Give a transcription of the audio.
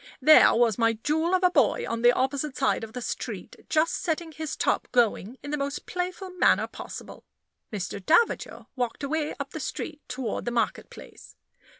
There was my jewel of a boy on the opposite side of the street, just setting his top going in the most playful manner possible. Mr. Davager walked away up the street toward the market place.